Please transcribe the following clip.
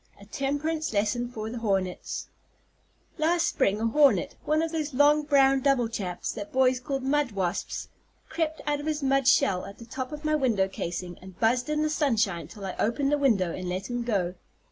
A TEMPERANCE LESSON FOR THE HORNETS. Last spring a hornet, one of those long brown double chaps that boys call mud wasps, crept out of his mud shell at the top of my window casing, and buzzed in the sunshine till I opened the window and let him go.